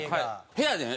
部屋でね